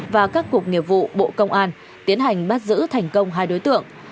và các cục nghiệp vụ bộ công an tiến hành bắt giữ thành công hai đối tượng